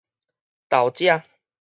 投者